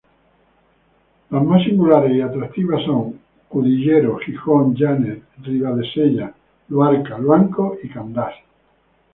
Las más singulares y atractivas son: Cudillero, Gijón, Llanes, Ribadesella, Luarca, Luanco y Candás.